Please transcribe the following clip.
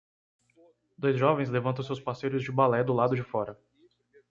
Dois jovens levantam seus parceiros de balé do lado de fora.